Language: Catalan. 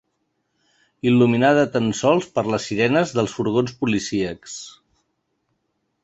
Il·luminada tant sols per les sirenes dels furgons policíacs.